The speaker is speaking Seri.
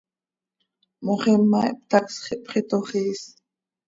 Moxima ihptacsx, ihpxitoxiis.